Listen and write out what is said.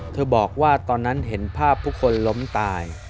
บอกว่าตอนนั้นเห็นภาพผู้คนล้มตาย